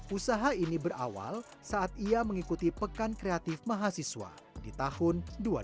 usaha ini berawal saat ia mengikuti pekan kreatif mahasiswa di tahun dua ribu dua